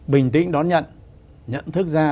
bình tĩnh đón nhận nhận thức ra